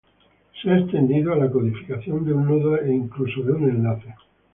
Ha sido extendido a la codificación de un nudo, e incluso de un enlace.